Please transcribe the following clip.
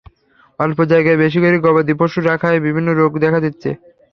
অল্প জায়গায় বেশি করে গবাদি পশু রাখায় বিভিন্ন রোগ দেখা দিচ্ছে।